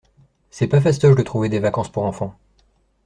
C'est pas fastoche de trouver des vacances pour enfants.